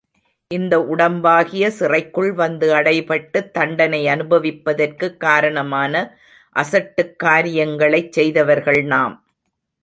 இந்த உடம்பாகிய சிறைக்குள் வந்து அடைபட்டுத் தண்டனை அநுபவிப்பதற்குக் காரணமான அசட்டுக் காரியங்களைச் செய்தவர்கள் நாம்.